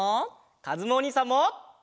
かずむおにいさんも！